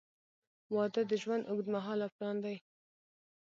• واده د ژوند اوږدمهاله پلان دی.